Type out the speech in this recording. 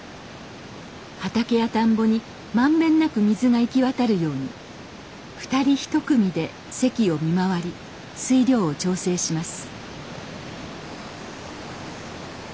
畑や田んぼに満遍なく水が行き渡るように二人一組で堰を見回り水量を調整します。